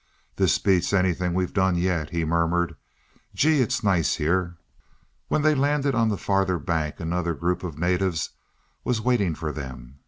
"This beats anything we've done yet," he murmured. "Gee, it's nice here!" When they landed on the farther bank another group of natives was waiting for them.